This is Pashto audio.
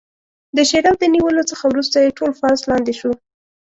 د شیراز د نیولو څخه وروسته یې ټول فارس لاندې شو.